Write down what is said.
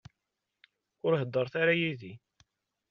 Ur heddṛet ara yid-i.